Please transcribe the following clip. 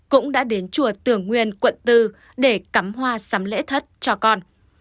cũng đã đến chùa tưởng nguyên quận bốn để cắm hoa sắm lễ thất cho con